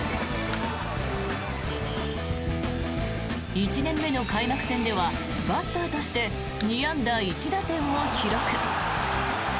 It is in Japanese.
１年目の開幕戦ではバッターとして２安打１打点を記録。